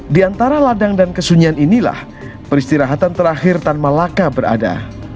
di antara ladang dan kesunyian inilah peristirahatan terakhir tan malaka berada